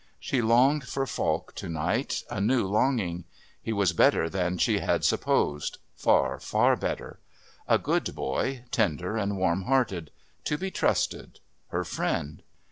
She longed for Falk to night, a new longing. He was better than she had supposed, far, far better. A good boy, tender and warm hearted. To be trusted. Her friend.